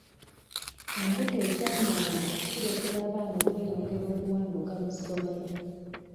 Embuto ezamangu zireetera abaana okweyongera okuwanduka mu ssomero.